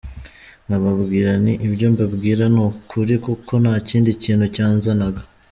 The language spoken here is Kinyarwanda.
Nkababwira nti ibyo mbabwira ni ukuri kuko nta kindi kintu cyanzanaga.